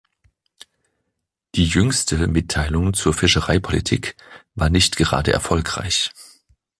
Die jüngste Mitteilung zur Fischereipolitik war nicht gerade erfolgreich.